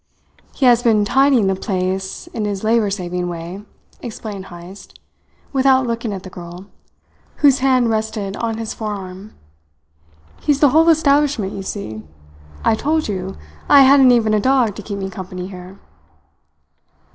"He has been tidying the place in his labour saving way," explained Heyst, without looking at the girl, whose hand rested on his forearm. "He's the whole establishment, you see. I told you I hadn't even a dog to keep me company here."